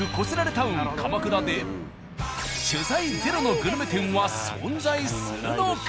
タウン鎌倉で取材ゼロのグルメ店は存在するのか。